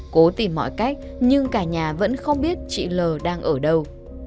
cố tìm mọi cách nhưng cả nhà vẫn không biết chị l đang ở đâu